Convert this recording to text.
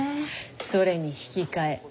それに引き換え。